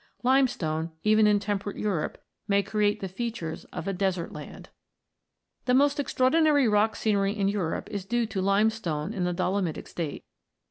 Limestone, even in temperate Europe, may create the features of a desert land. The most extraordinary rock scenery in Europe is due to limestone in the dolomitic state.